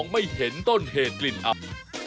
ทีเดียวค่ะ